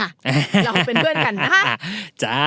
เราเป็นเพื่อนกันนะฮะ